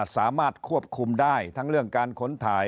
สามารถควบคุมได้ทั้งเรื่องการค้นถ่าย